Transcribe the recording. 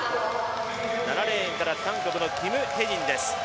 ７レーン、韓国のキム・ヘジンです。